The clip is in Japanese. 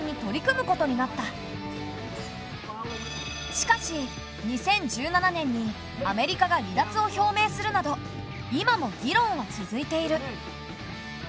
しかし２０１７年にアメリカが離脱を表明するなど今も議論は続いている。